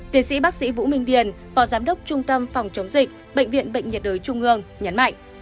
tiến sĩ bác sĩ vũ minh điền phó giám đốc trung tâm phòng chống dịch bệnh viện bệnh nhiệt đới trung ương nhấn mạnh